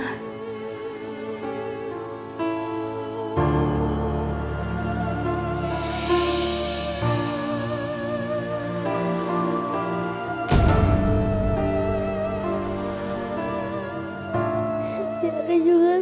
tidak ada yang bisa diberikan